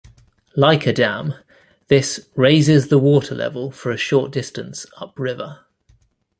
Like a dam, this "raises the water level for a short distance upriver".